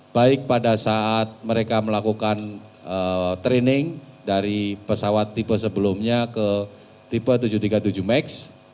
baik pada saat mereka melakukan training dari pesawat tipe sebelumnya ke tipe tujuh ratus tiga puluh tujuh max